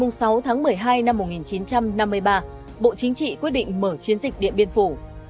ngày sáu tháng một mươi hai năm một nghìn chín trăm năm mươi ba bộ chính trị quyết định mở chiến dịch điện biên phủ